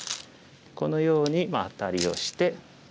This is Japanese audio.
このようにアタリをして。